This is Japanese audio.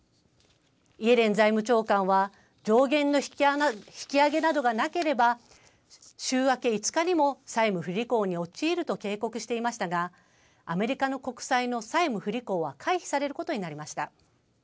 イエレン財務長官は上限の引き上げなどがなければ週明け５日にも債務不履行に陥ると警告していましたがアメリカの国債の債務不履行は回避されることになりました。